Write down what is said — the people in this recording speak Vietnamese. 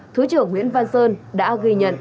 thứ trưởng nguyễn văn sơn đã ghi nhận